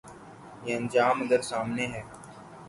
یہ انجام اگر سامنے ہے۔